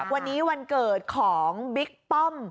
วันนี้วันเกิดของบิ๊กป้อม